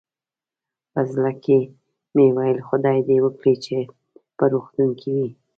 په زړه کې مې ویل، خدای دې وکړي چې په روغتون کې وي.